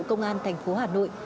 công an tp hà nội